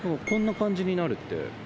こんな感じになるって。